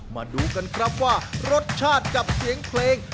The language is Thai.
มาดูกันครับว่ารสชาติกับเสียงเพลง